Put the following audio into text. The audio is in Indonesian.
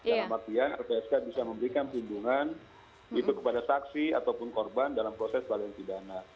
dan maksiat lpsk bisa memberikan perlindungan itu kepada saksi ataupun korban dalam proses tindak pidana